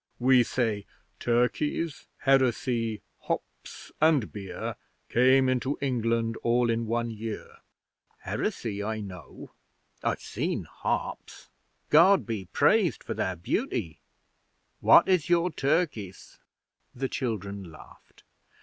We say 'Turkeys, Heresy, Hops, and Beer Came into England all in one year.' 'Heresy I know. I've seen Hops God be praised for their beauty! What is your Turkis?' The children laughed.